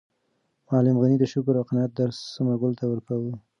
معلم غني د شکر او قناعت درس ثمرګل ته ورکاوه.